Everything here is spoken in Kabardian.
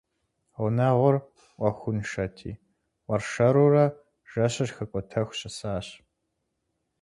Гъунэгъур Ӏуэхуншэти, уэршэрурэ жэщыр хэкӀуэтэху щысащ.